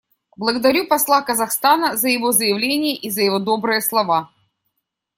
Благодарю посла Казахстана за его заявление и за его добрые слова.